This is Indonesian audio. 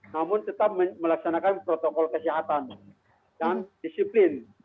namun tetap melaksanakan protokol kesehatan dan disiplin